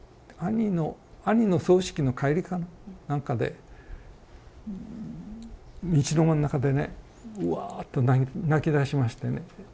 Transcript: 兄の葬式の帰りかなんかで道の真ん中でねワーッと泣きだしましてね。